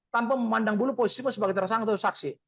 tanpa memandang dulu posisimu sebagai tersangka atau saksi